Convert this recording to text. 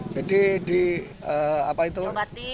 jadi diobati semua